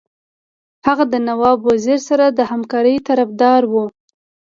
هغه د نواب وزیر سره د همکارۍ طرفدار وو.